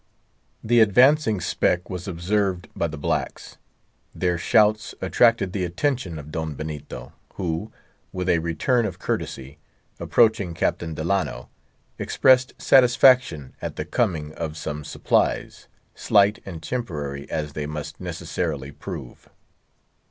The advancing speck was observed by the blacks. Their shouts attracted the attention of Don Benito, who, with a return of courtesy, approaching Captain Delano, expressed satisfaction at the coming of some supplies, slight and temporary as they must necessarily prove.